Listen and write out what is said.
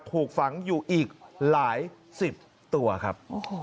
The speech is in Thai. ถูกฝังอยู่อีกหลายสิบตัวครับ